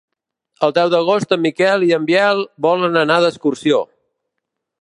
El deu d'agost en Miquel i en Biel volen anar d'excursió.